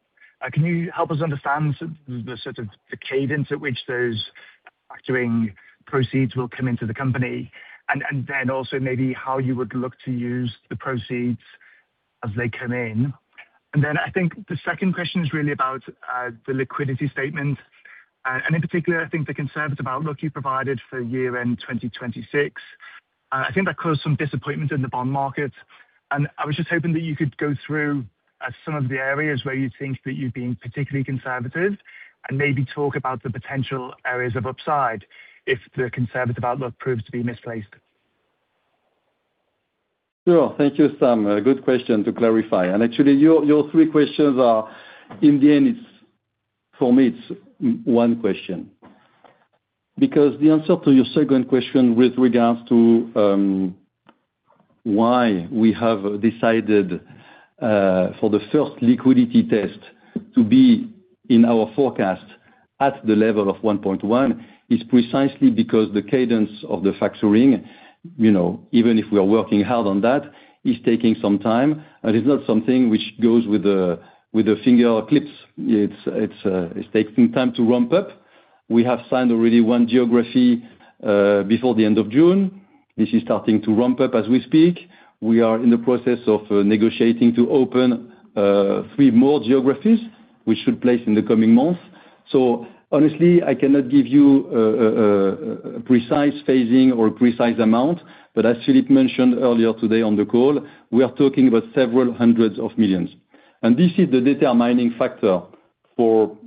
can you help us understand the sort of cadence at which those factoring proceeds will come into the company? Then also maybe how you would look to use the proceeds as they come in. Then I think the second question is really about the liquidity statement. In particular, I think the conservative outlook you provided for year-end 2026. I think that caused some disappointment in the bond market. I was just hoping that you could go through some of the areas where you think that you're being particularly conservative, and maybe talk about the potential areas of upside if the conservative outlook proves to be misplaced. Sure. Thank you, Sam. A good question to clarify. Actually, your three questions are, in the end, for me, it's one question. The answer to your second question with regards to why we have decided, for the first liquidity test to be in our forecast at the level of 1.1, is precisely because the cadence of the factoring, even if we are working hard on that, is taking some time, and it's not something which goes with a finger or clicks. It's taking time to ramp up. We have signed already one geography, before the end of June. This is starting to ramp up as we speak. We are in the process of negotiating to open three more geographies, which should place in the coming months. Honestly, I cannot give you a precise phasing or a precise amount. As Philippe mentioned earlier today on the call, we are talking about several hundreds of millions. This is the determining factor for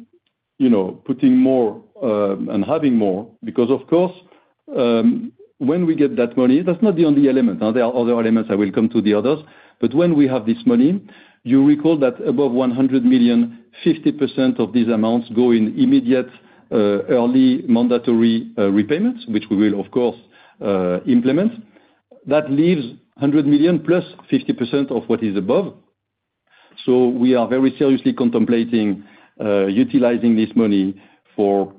putting more, and having more. Of course, when we get that money, that's not the only element. There are other elements, I will come to the others. When we have this money, you recall that above 100 million, 50% of these amounts go in immediate, early mandatory repayments, which we will, of course, implement. That leaves 100 million + 50% of what is above. We are very seriously contemplating utilizing this money for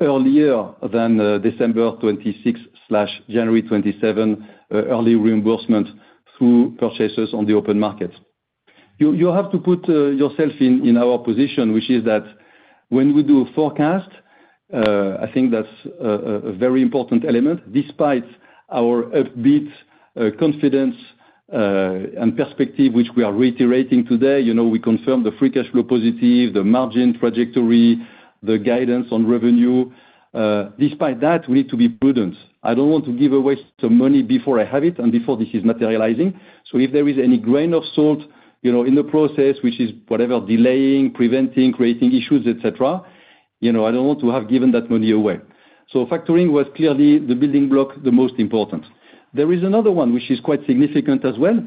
earlier than December 2026/January 2027, early reimbursement through purchases on the open market. You have to put yourself in our position, which is that when we do a forecast, I think that's a very important element. Despite our upbeat confidence, and perspective, which we are reiterating today. We confirm the free cash flow positive, the margin trajectory, the guidance on revenue. Despite that, we need to be prudent. I don't want to give away some money before I have it and before this is materializing. If there is any grain of salt in the process, which is whatever, delaying, preventing, creating issues, et cetera. I don't want to have given that money away. Factoring was clearly the building block, the most important. There is another one which is quite significant as well.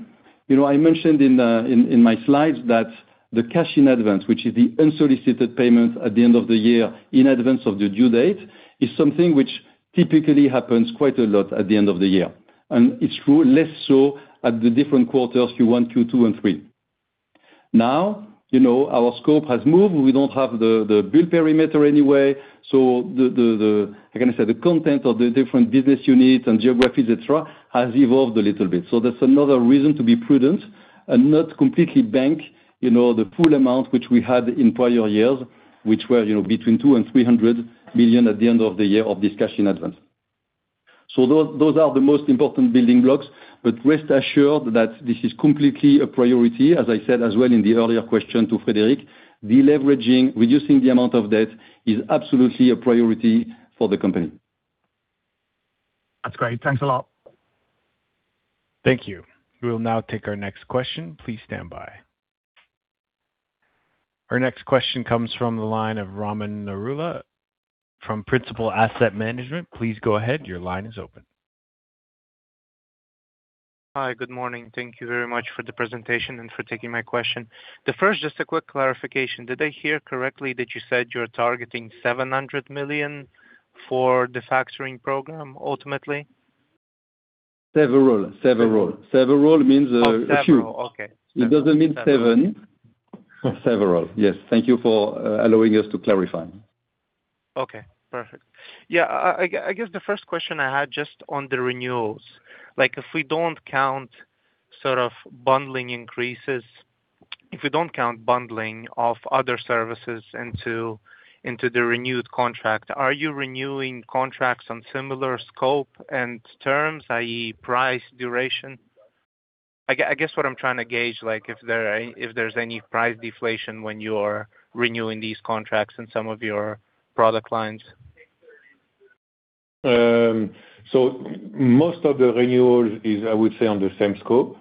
I mentioned in my slides that the cash in advance, which is the unsolicited payment at the end of the year in advance of the due date, is something which typically happens quite a lot at the end of the year. It's true, less so at the different quarters, Q1, Q2, and Q3. Now, our scope has moved. We don't have the Bull perimeter anyway, the, I can say, the content of the different business units and geographies, et cetera, has evolved a little bit. That's another reason to be prudent and not completely bank the full amount which we had in prior years, which were between 200 million and 300 million at the end of the year of this cash in advance. Those are the most important building blocks, but rest assured that this is completely a priority, as I said as well in the earlier question to Frédéric. Deleveraging, reducing the amount of debt is absolutely a priority for the company. That's great. Thanks a lot. Thank you. We will now take our next question. Please stand by. Our next question comes from the line of Raman Narula from Principal Asset Management. Please go ahead. Your line is open. Hi. Good morning. Thank you very much for the presentation and for taking my question. The first, just a quick clarification. Did I hear correctly that you said you're targeting 700 million for the factoring program ultimately? Several. Several means a few. Oh, several. Okay. It doesn't mean seven. Several. Yes. Thank you for allowing us to clarify. Okay. Perfect. I guess the first question I had just on the renewals, if we don't count sort of bundling increases, if we don't count bundling of other services into the renewed contract, are you renewing contracts on similar scope and terms, i.e., price, duration? I guess what I'm trying to gauge, if there is any price deflation when you are renewing these contracts in some of your product lines. Most of the renewals is, I would say on the same scope.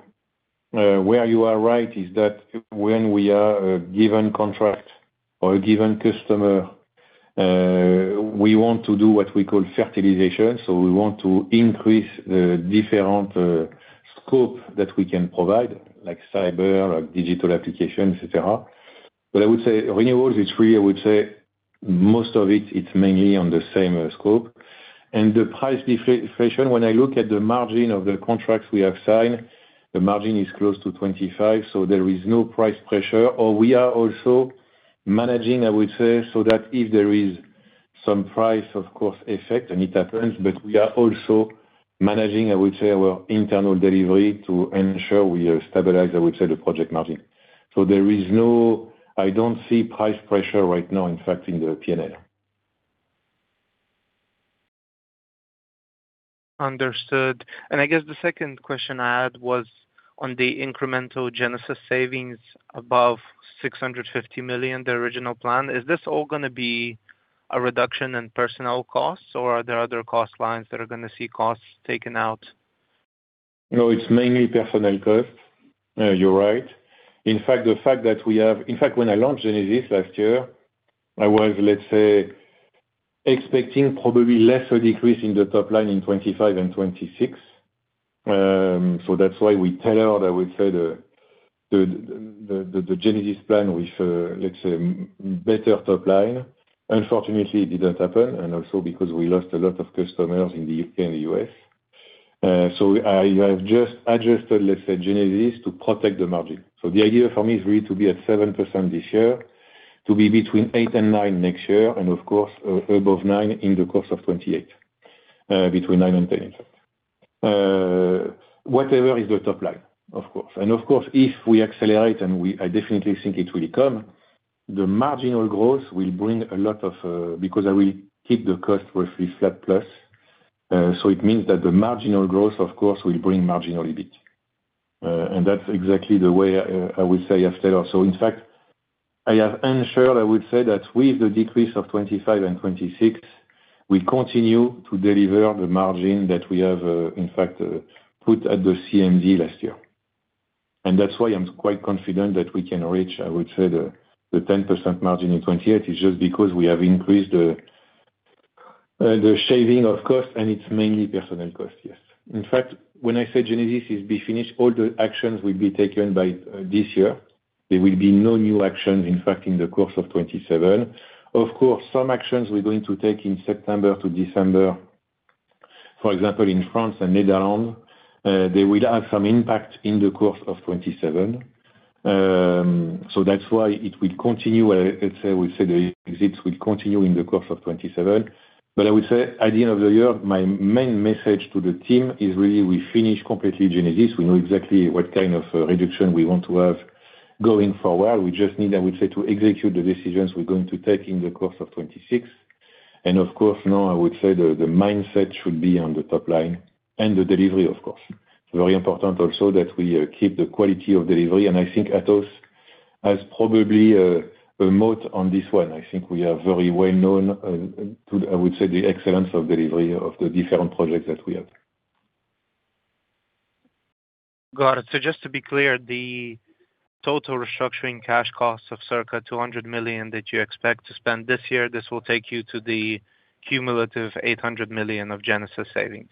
Where you are right is that when we are a given contract or a given customer, we want to do what we call fertilization. We want to increase the different scope that we can provide, like cyber or digital applications, et cetera. I would say renewals, it is free. I would say most of it is mainly on the same scope. The price deflation, when I look at the margin of the contracts we have signed, the margin is close to 25%, so there is no price pressure. We are also managing, I would say, so that if there is some price, of course, effect and it happens, but we are also managing, I would say, our internal delivery to ensure we have stabilized, I would say, the project margin. I don't see price pressure right now affecting the P&L. Understood. I guess the second question I had was on the incremental Genesis savings above 650 million, the original plan. Is this all going to be a reduction in personnel costs, or are there other cost lines that are going to see costs taken out? No, it's mainly personnel costs. You're right. In fact, when I launched Genesis last year, I was, let's say, expecting probably lesser decrease in the top line in 2025 and 2026. That's why we tailored, I would say, the Genesis plan with, let's say, better top line. Unfortunately, it didn't happen, and also because we lost a lot of customers in the U.S. I have just adjusted Genesis to protect the margin. The idea for me is really to be at 7% this year, to be between 8% and 9% next year, and of course, above 9% in the course of 2028, between 9% and 10%. Whatever is the top line, of course. Of course, if we accelerate, and I definitely think it will come, the marginal growth will bring a lot because I will keep the cost roughly flat plus, it means that the marginal growth, of course, will bring marginal EBIT. That's exactly the way I would say I've tailored. In fact, I have ensured, I would say, that with the decrease of 2025 and 2026, we continue to deliver the margin that we have, in fact, put at the CMD last year. That's why I'm quite confident that we can reach, I would say, the 10% margin in 2028. It's just because we have increased the shaving of costs, and it's mainly personnel costs, yes. In fact, when I say Genesis is finished, all the actions will be taken by this year. There will be no new actions, in fact, in the course of 2027. Of course, some actions we're going to take in September to December, for example, in France and Netherlands, they will have some impact in the course of 2027. That's why it will continue, let's say the exits will continue in the course of 2027. I would say at the end of the year, my main message to the team is really we finish completely Genesis. We know exactly what kind of reduction we want to have going forward. We just need, I would say, to execute the decisions we're going to take in the course of 2026. Of course, now I would say the mindset should be on the top line and the delivery, of course. Very important also that we keep the quality of delivery. I think Atos has probably a moat on this one. I think we are very well known to, I would say, the excellence of delivery of the different projects that we have. Got it. Just to be clear, the total restructuring cash costs of circa 200 million that you expect to spend this year, this will take you to the cumulative 800 million of Genesis savings?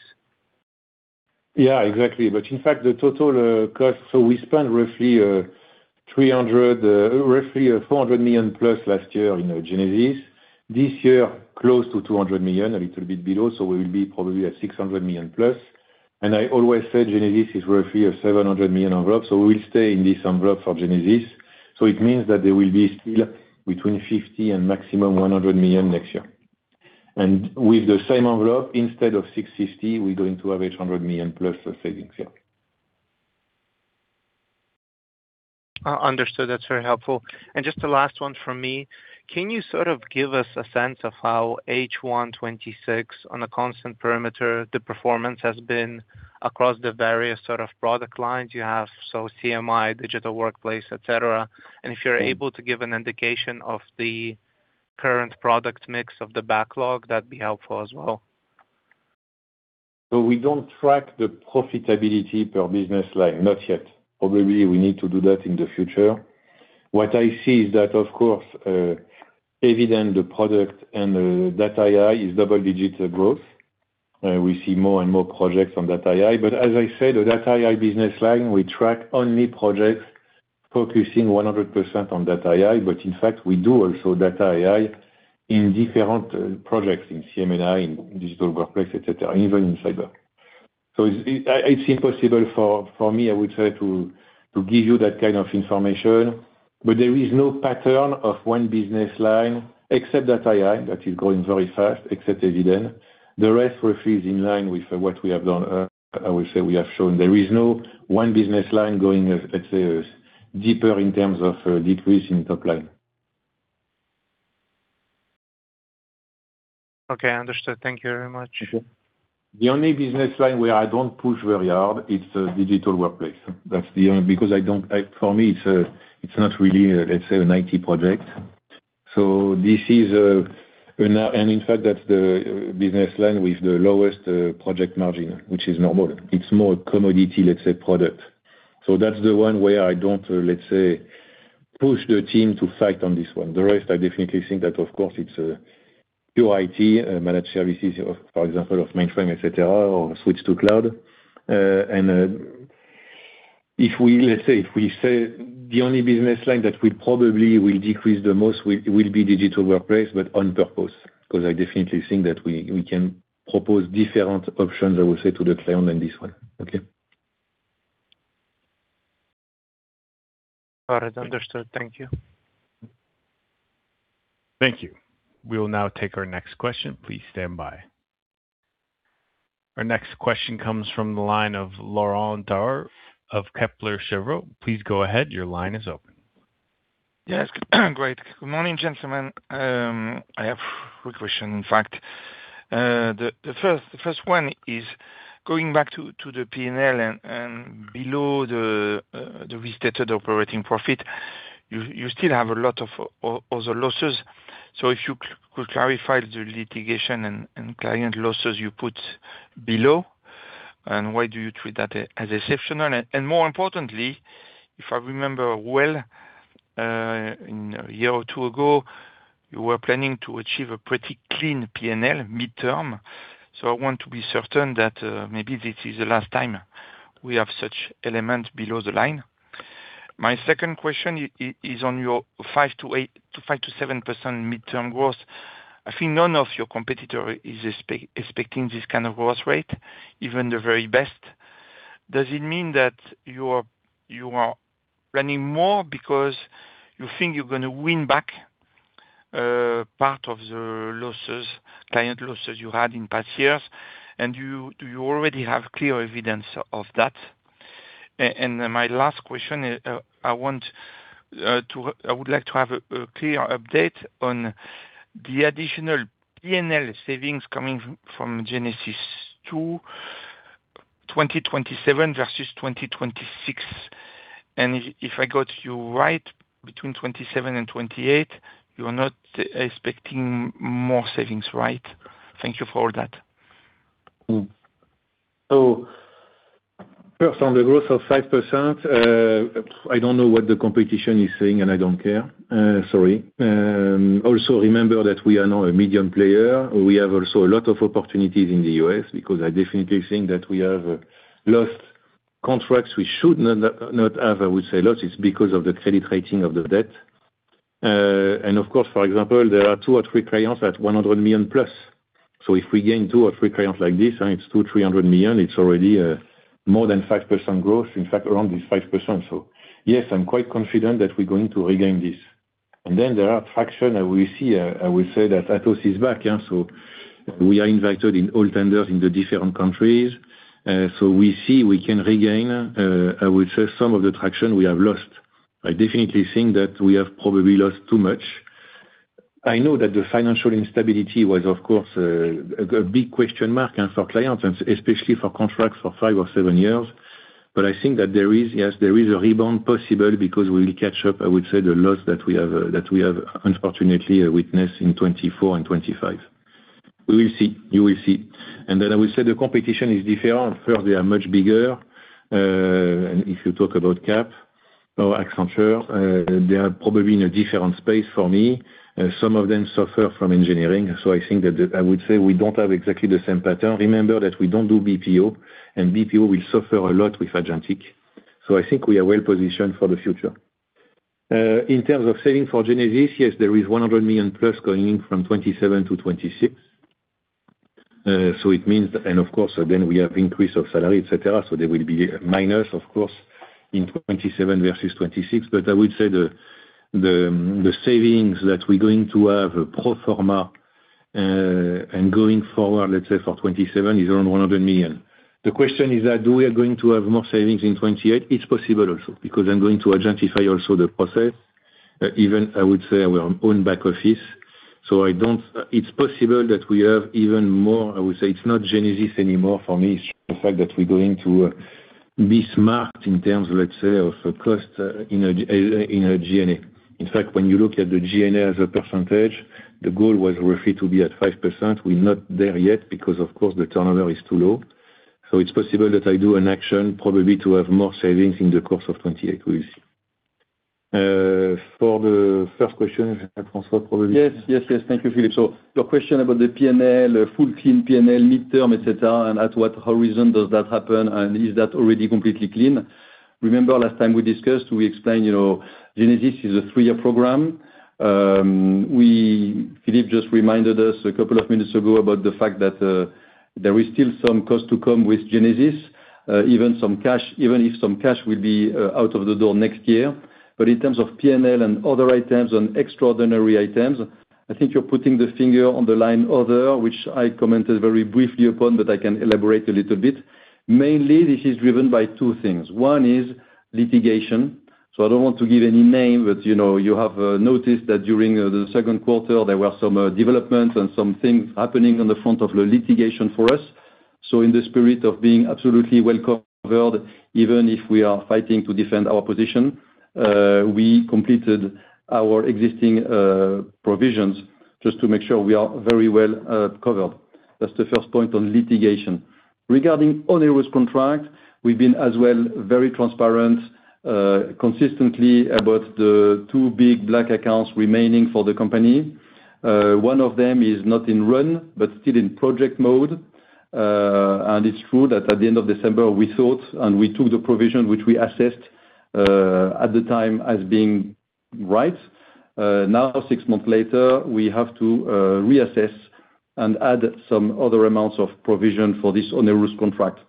Yeah, exactly. In fact, the total cost, we spent roughly 400 million+ last year in Genesis. This year, close to 200 million, a little bit below. We will be probably at 600 million+. I always said Genesis is roughly a 700 million envelope, we'll stay in this envelope for Genesis. It means that there will be still between 50 million and maximum 100 million next year. With the same envelope, instead of 650, we're going to have 800 million+ of savings. Yeah. Understood. That's very helpful. Just the last one from me. Can you sort of give us a sense of how H1 2026 on a constant perimeter, the performance has been across the various sort of product lines you have, CM&I, Digital Workplace, et cetera? If you're able to give an indication of the current product mix of the backlog, that'd be helpful as well. We don't track the profitability per business line. Not yet. Probably, we need to do that in the future. What I see is that, of course, Eviden, the product, and Data AI is double-digit growth. We see more and more projects on Data AI. As I said, the Data AI business line, we track only projects focusing 100% on Data AI. In fact, we do also Data AI in different projects in CM&I, in Digital Workplace, et cetera, even in cyber. It's impossible for me, I would say, to give you that kind of information. There is no pattern of one business line, except Data AI, that is growing very fast, except Eviden. The rest roughly is in line with what we have done. I would say we have shown there is no one business line going, let's say, deeper in terms of decrease in top line. Okay, understood. Thank you very much. The only business line where I don't push very hard is the Digital Workplace. That's the only, because for me, it's not really, let's say, an IT project. In fact, that's the business line with the lowest project margin, which is normal. It's more a commodity, let's say, product. So that's the one where I don't, let's say, push the team to fight on this one. The rest, I definitely think that, of course, it's pure IT, managed services, for example, of mainframe, et cetera, or switch to cloud. Let's say, if we say the only business line that will probably will decrease the most will be Digital Workplace, but on purpose, because I definitely think that we can propose different options, I would say, to the client than this one. Okay? All right. Understood. Thank you. Thank you. We will now take our next question. Please stand by. Our next question comes from the line of Laurent Daure of Kepler Cheuvreux. Please go ahead. Your line is open. Yes. Great. Good morning, gentlemen. I have three question, in fact. The first one is going back to the P&L and below the restated operating profit. You still have a lot of other losses. If you could clarify the litigation and client losses you put below, and why do you treat that as exceptional? More importantly, if I remember well, a year or two ago, you were planning to achieve a pretty clean P&L midterm. I want to be certain that maybe this is the last time we have such element below the line. My second question is on your 5%-7% midterm growth. I think none of your competitor is expecting this kind of growth rate, even the very best. Does it mean that you are running more because you think you're going to win back part of the client losses you had in past years, do you already have clear evidence of that? My last question, I would like to have a clear update on the additional P&L savings coming from Genesis two, 2027 versus 2026. If I got you right, between 2027 and 2028, you're not expecting more savings, right? Thank you for all that. First, on the growth of 5%, I don't know what the competition is saying, and I don't care. Sorry. Also, remember that we are now a medium player. We have also a lot of opportunities in the U.S. because I definitely think that we have lost contracts we should not have. I would say lost is because of the credit rating of the debt. Of course, for example, there are two or three clients at 100 million+. If we gain two or three clients like this, it's 2, 300 million, it's already more than 5% growth. In fact, around this 5%. Yes, I'm quite confident that we're going to regain this. Then there are traction, I would say that Atos is back. We are invited in all tenders in the different countries. We see we can regain, I would say, some of the traction we have lost. I definitely think that we have probably lost too much. I know that the financial instability was, of course, a big question mark for clients, and especially for contracts for five or seven years. I think that there is a rebound possible because we will catch up, I would say, the loss that we have unfortunately witnessed in 2024 and 2025. We will see. You will see. I would say the competition is different. First, they are much bigger. If you talk about Capgemini or Accenture, they are probably in a different space for me. Some of them suffer from engineering. I think that, I would say we don't have exactly the same pattern. Remember that we don't do BPO, and BPO will suffer a lot with agentic. I think we are well-positioned for the future. In terms of saving for Genesis, yes, there is 100 million+ going in from 2027 to 2026. Of course, again, we have increase of salary, et cetera, so there will be a minus, of course, in 2027 versus 2026. I would say the savings that we're going to have pro forma, and going forward, let's say for 2027, is around 100 million. The question is that, do we are going to have more savings in 2028? It's possible also, because I'm going to agentify also the process. Even, I would say, our own back office. It's possible that we have even more, I would say it's not Genesis anymore for me. It's the fact that we're going to be smart in terms of cost in our G&A. In fact, when you look at the G&A as a percentage, the goal was roughly to be at 5%. We're not there yet because, of course, the turnover is too low. It's possible that I do an action probably to have more savings in the course of 2028. We'll see. For the first question, François, probably. Yes. Thank you, Philippe. Your question about the P&L, full clean P&L, midterm, et cetera, and at what horizon does that happen, and is that already completely clean? Remember last time we discussed, we explained Genesis is a three-year program. Philippe just reminded us a couple of minutes ago about the fact that there is still some cost to come with Genesis, even if some cash will be out of the door next year. In terms of P&L and other items and extraordinary items, I think you're putting the finger on the line other, which I commented very briefly upon, but I can elaborate a little bit. Mainly this is driven by two things. One is litigation. I don't want to give any name, but you have noticed that during the second quarter there were some developments and some things happening on the front of the litigation for us. In the spirit of being absolutely well-covered, even if we are fighting to defend our position, we completed our existing provisions just to make sure we are very well covered. That's the first point on litigation. Regarding onerous contract, we've been as well very transparent consistently about the two big black accounts remaining for the company. One of them is not in run, but still in project mode. It's true that at the end of December, we thought, and we took the provision which we assessed at the time as being right. Now, six months later, we have to reassess and add some other amounts of provision for this onerous contract.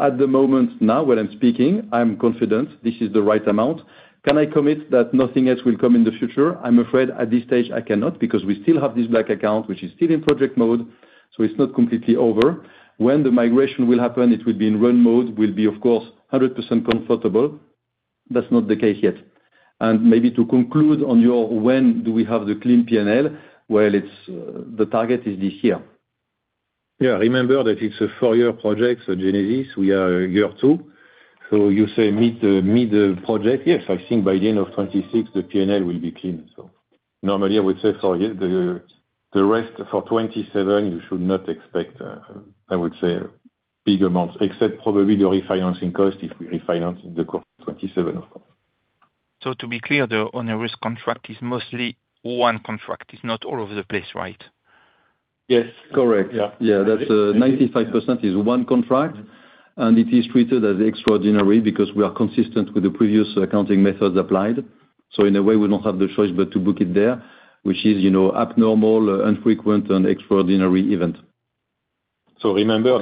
At the moment now, when I'm speaking, I'm confident this is the right amount. Can I commit that nothing else will come in the future? I'm afraid at this stage I cannot, because we still have this black account, which is still in project mode, so it's not completely over. When the migration will happen, it will be in run mode. We'll be, of course, 100% comfortable. That's not the case yet. Maybe to conclude on your when do we have the clean P&L, well, the target is this year. Remember that it's a four-year project, Genesis, we are year two. You say mid project, yes. I think by the end of 2026, the P&L will be clean. Normally, I would say for the rest for 2027, you should not expect, I would say, big amounts except probably the refinancing cost if we refinance in the course of 2027, of course. To be clear, the onerous contract is mostly one contract. It's not all over the place, right? Yes. Yeah. That 95% is one contract. It is treated as extraordinary because we are consistent with the previous accounting methods applied. In a way, we don't have the choice but to book it there, which is abnormal, unfrequent, and extraordinary event. We are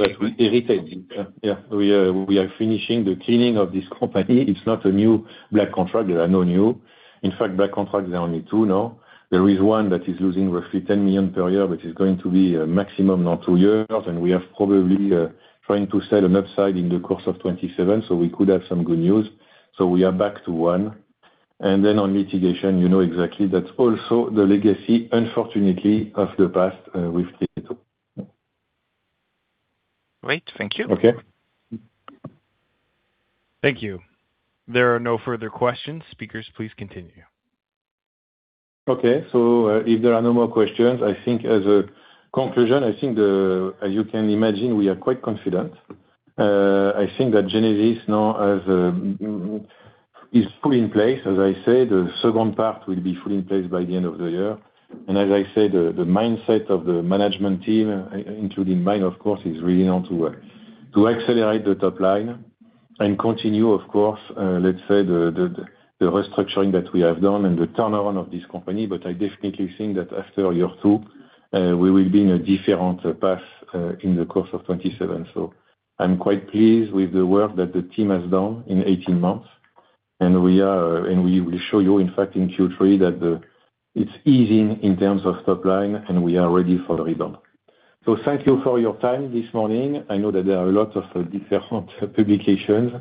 finishing the cleaning of this company. It's not a new black contract. There are no new. In fact, black contracts, there are only two now. There is one that is losing roughly 10 million per year, which is going to be a maximum now two years. We are probably trying to set an upside in the course of 2027. We could have some good news. We are back to one. Then on litigation, you know exactly that's also the legacy, unfortunately, of the past with TriZetto. Great. Thank you. Okay. Thank you. There are no further questions. Speakers, please continue. Okay. If there are no more questions, I think as a conclusion, I think as you can imagine, we are quite confident. I think that Genesis now is fully in place. As I said, the second part will be fully in place by the end of the year. As I said, the mindset of the management team, including mine, of course, is really now to accelerate the top line and continue, of course, let's say the restructuring that we have done and the turnaround of this company. I definitely think that after year two, we will be in a different path, in the course of 2027. I'm quite pleased with the work that the team has done in 18 months, and we will show you, in fact, in Q3 that it's easing in terms of top line, and we are ready for the rebound. Thank you for your time this morning. I know that there are a lot of different publications,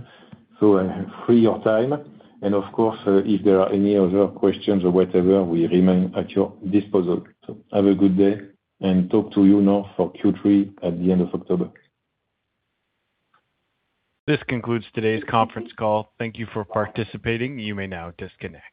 so I free your time. Of course, if there are any other questions or whatever, we remain at your disposal. Have a good day, and talk to you now for Q3 at the end of October. This concludes today's conference call. Thank you for participating. You may now disconnect.